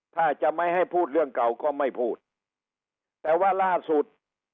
ถ้าจะไม่ให้พูดเรื่องเก่าก็ไม่พูดแต่ว่าล่าสุด